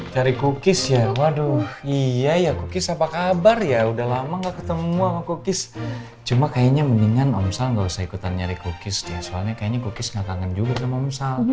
cari kukis ya waduh iya ya kukis apa kabar ya udah lama gak ketemu sama kukis cuma kayaknya mendingan amsal gak usah ikutan nyari kukis ya soalnya kayaknya kukis gak kangen juga sama amsal